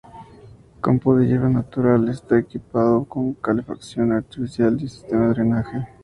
Campo de hierba natural, está equipado con calefacción artificial y sistema de drenaje.